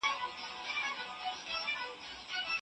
د نعمت شکر د هغه ساتنه ده.